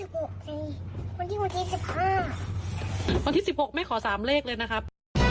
วันที่๑๖แม่ขอ๓เลขเลยนะครับ